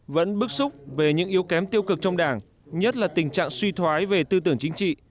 vẫn bức xúc về những yếu kém tiêu cực trong đảng nhất là tình trạng suy thoái về tư tưởng chính trị